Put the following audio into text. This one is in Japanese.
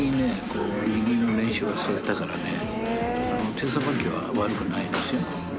手さばきは悪くないですよ